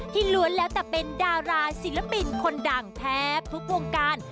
ล้วนแล้วแต่เป็นดาราศิลปินคนดังแทบทุกวงการ